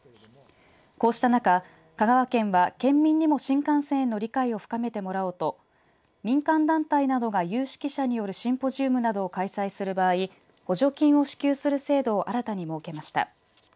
こうした中、香川県は県民にも新幹線への理解を深めてもらおうと民間団体などが有識者によるシンポジウムなどを開催する場合、補助金を支給する制度を新たに設けました。